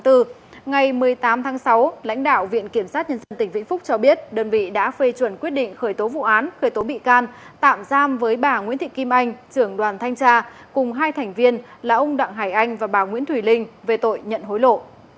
ngày một mươi tám tháng sáu lãnh đạo viện kiểm sát nhân dân tỉnh vĩnh phúc cho biết đơn vị đã phê chuẩn quyết định khởi tố vụ án khởi tố bị can tạm giam với bà nguyễn thị kim anh trưởng đoàn thanh tra cùng hai thành viên là ông đặng hải anh và bà nguyễn thùy linh về tội nhận hối lộ